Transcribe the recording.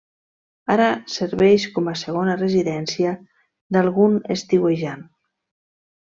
Ara serveix com a segona residència d'algun estiuejant.